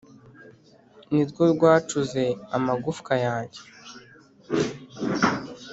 ni rwo rwacuze amagufwa yanjye